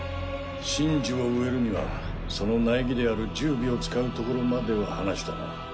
神樹を植えるにはその苗木である十尾を使うところまでは話したな。